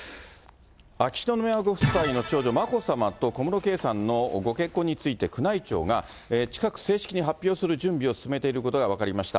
秋篠宮ご夫妻の眞子さまと小室圭さんのご結婚について、宮内庁が近く、正式に発表する準備を進めていることが分かりました。